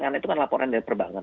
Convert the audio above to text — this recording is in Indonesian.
karena itu kan laporan dari perbankan